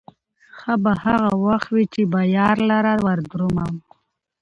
ښه به هغه وخت وي، چې به يار لره وردرومم